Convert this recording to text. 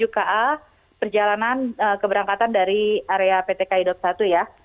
enam puluh tujuh ka perjalanan keberangkatan dari area pt ki dua puluh satu ya